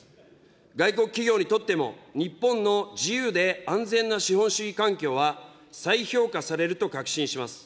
外国企業にとっても、日本の、自由で安全な資本主義環境は、再評価されると確信します。